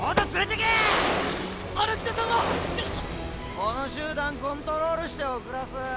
この集団コントロールして遅らす。